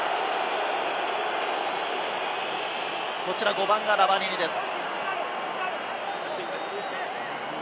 ５番がラバニニです。